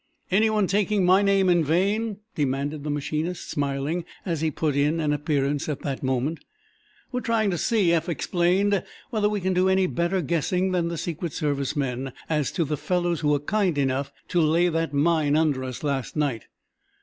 "Anyone taking my name in vain?" demanded the machinist, smiling as he put in an appearance at that moment. "We're trying to see," Eph explained, "whether we can do any better guessing than the Secret Service men as to the fellows who were kind enough to lay that mine under us last night."